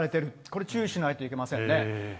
これ、注意しないといけませんね。